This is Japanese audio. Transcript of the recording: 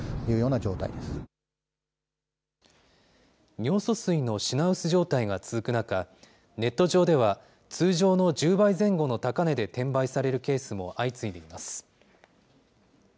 尿素水の品薄状態が続く中、ネット上では、通常の１０倍前後の高値で転売されるケースも相次いでいます。